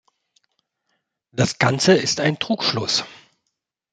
Das Ganze ist ein Trugschluss.